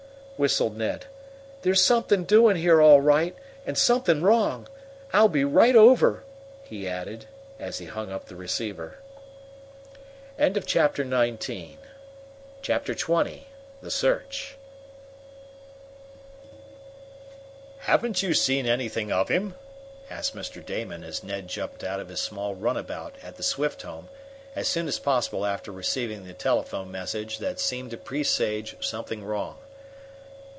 whistled Ned. "There's something doing here, all right, and something wrong! I'll be right over!" he added, as he hung up the receiver. Chapter XX The Search "Haven't you seen anything of him?" asked Mr. Damon, as Ned jumped out of his small runabout at the Swift home as soon as possible after receiving the telephone message that seemed to presage something wrong.